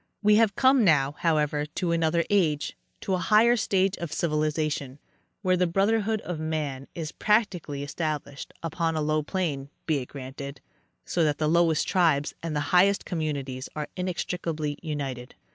We have come now, however, to another age, to a higher stage of civilization, where the brotherhood of man is The Field of commercial Geography. 208 practically established, upon a low plane, be it granted, so that the lowest tribes and highest communities are inextricably united.